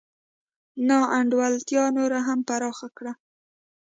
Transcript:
نا انډولتیا نوره هم پراخه کړه.